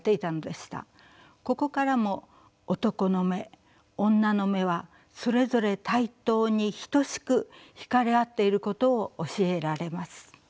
ここからも男の眼女の眼はそれぞれ対等にひとしく引かれ合っていることを教えられます。